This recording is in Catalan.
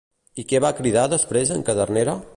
I què va cridar després en Cadernera?